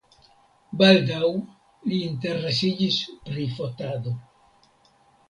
Baldaŭ li interesiĝis pri fotado.